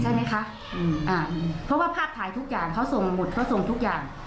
ใช่ไหมคะอืมอ่าเพราะว่าภาพถ่ายทุกอย่างเขาส่งหมดเขาส่งทุกอย่าง